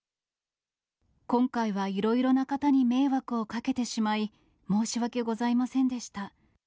今回はいろいろな方に迷惑をかけてしまい、申し訳ございませんでした。